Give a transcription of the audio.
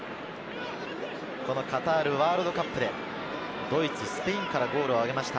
カタールワールドカップでドイツ、スペインからゴールをあげました。